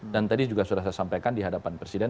dan tadi juga sudah saya sampaikan dihadapan presiden